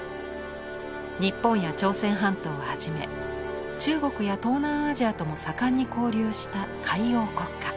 日本や朝鮮半島をはじめ中国や東南アジアとも盛んに交流した海洋国家。